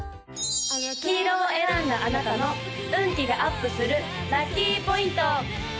黄色を選んだあなたの運気がアップするラッキーポイント！